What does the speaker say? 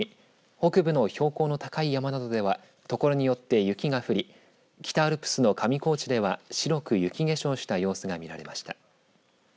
北部の標高の高い山などではところによって雪が降り北アルプスの上高地では白く雪化粧した様子が見られました。